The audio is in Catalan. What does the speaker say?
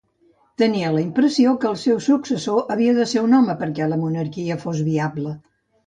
Tenia la impressió que el seu successor havia de ser un home perquè la monarquia fos viable.